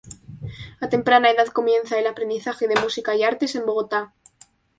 A temprana edad comienza el aprendizaje de Música y Artes en Bogotá.